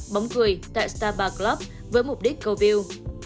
bóng cười tại star bar club với mục đích câu view